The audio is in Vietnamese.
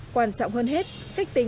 hoàn trọng hơn hết